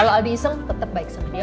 kalau adi iseng tetap baik sama dia